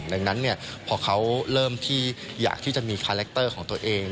ดังนั้นพอเขาเริ่มที่อยากที่จะมีคาแรคเตอร์ของตัวเอง